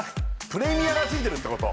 プレミアがついてるってこと？